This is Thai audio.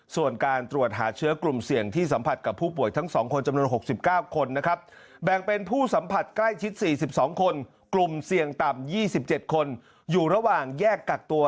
เสี่ยงต่ำ๒๗คนอยู่ระหว่างแยกกักตัว